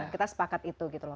kita sepakat itu gitu loh